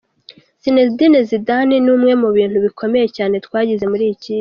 "Zinedine Zidane ni umwe mu bintu bikomeye cyane twagize muri iyi kipe".